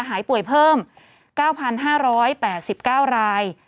หายป่วยเพิ่ม๙๕๘๙ราย